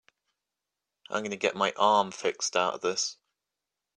I'm gonna get my arm fixed out of this.